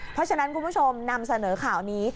เพราะฉะนั้นคุณผู้ชมนำเสนอข่าวนี้